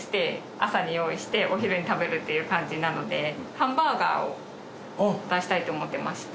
朝に用意してお昼に食べるっていう感じなのでハンバーガーを出したいと思ってまして。